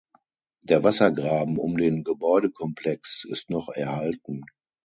Der Wassergraben um den Gebäudekomplex ist noch erhalten.